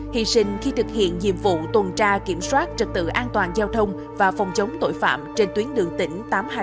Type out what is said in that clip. hy sinh khi thực hiện nhiệm vụ tuần tra kiểm soát trật tự an toàn giao thông và phòng chống tội phạm trên tuyến đường tỉnh tám trăm hai mươi